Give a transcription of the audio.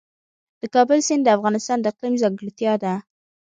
د کابل سیند د افغانستان د اقلیم ځانګړتیا ده.